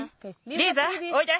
リーザおいで！